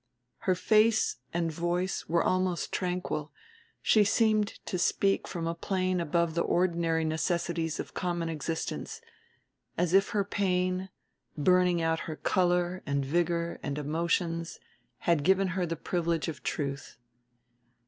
Her face and voice were almost tranquil; she seemed to speak from a plane above the ordinary necessities of common existence, as if her pain, burning out her color and vigor and emotions, had given her the privilege of truth.